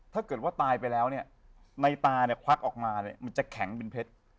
ถ้าเกิดว่าตายไปแล้วเนี่ยในตาเนี่ยควักออกมาเนี่ยมันจะแข็งเป็นเพชร